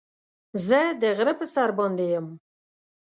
زه د غره په سر باندې يم.